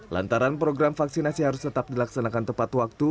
lantaran program vaksinasi harus tetap dilaksanakan tepat waktu